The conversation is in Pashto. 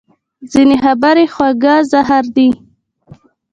ځینې خبرې خواږه زهر دي